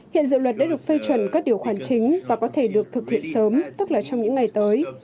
hiện dự luật đã được phê chuẩn các điều khoản chính và có thể được thực hiện sớm tức là trong những ngày tới